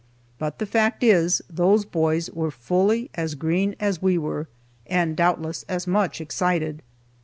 But the fact is, those boys were fully as green as we were, and doubtless as much excited.